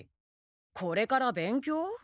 これから勉強？